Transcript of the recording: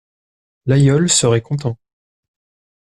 L'aïeul serait content.